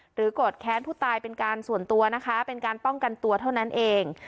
โกรธแค้นผู้ตายเป็นการส่วนตัวนะคะเป็นการป้องกันตัวเท่านั้นเอง